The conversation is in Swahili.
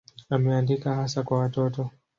Ameandika hasa kwa watoto.